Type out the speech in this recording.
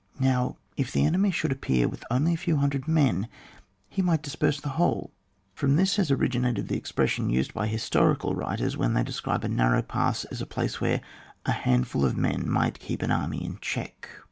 Now if the enemy should appear with only a few hundred men, he might dis perse the whole. From this has origi nated the expression used by historical writers, when they describe a narrow pass as a place where " a handful of men might keep an army in check."